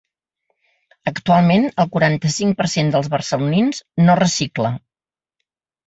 Actualment el quaranta-cinc per cent de barcelonins no recicla.